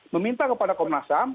meminta kepada komnas ham